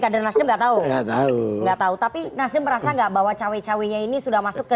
kadang kadang tahu nggak tahu tapi nasib merasa nggak bahwa cewek ceweknya ini sudah masuk ke